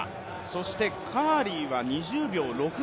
そしてカーリーは２０秒６８。